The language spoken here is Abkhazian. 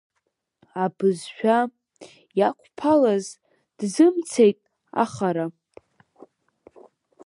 Абызшәа иақәԥалаз дзымцеит ахара…